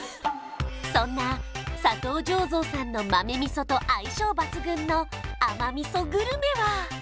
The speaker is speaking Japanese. そんな佐藤醸造さんの豆みそと相性抜群の甘味噌グルメは？